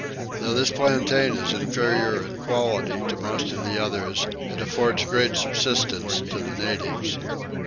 Though this plantain is inferior in quality to most of the others it affords great subsistence to the natives.